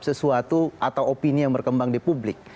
sesuatu atau opini yang berkembang di publik